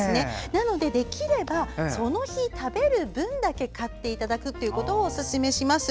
なのでできればその日食べる分だけ買っていただくことをおすすめします。